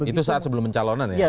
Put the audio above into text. itu saat sebelum pencalonan ya